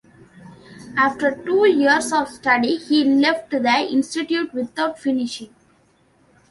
After two years of study, he left the institute without finishing.